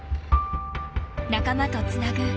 仲間とつなぐ